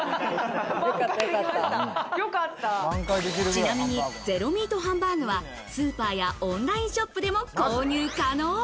ちなみにゼロミートハンバーグはスーパーやオンラインショップでも購入可能。